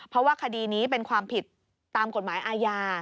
เพราะว่าคดีนี้เป็นความผิดตามกฎหมายอาญา